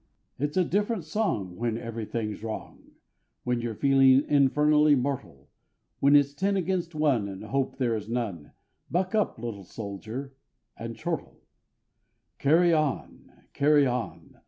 It's a different song when everything's wrong, When you're feeling infernally mortal; When it's ten against one, and hope there is none, Buck up, little soldier, and chortle: Carry on! Carry on!